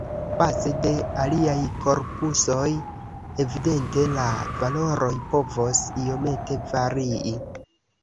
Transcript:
Baze de aliaj korpusoj evidente la valoroj povos iomete varii.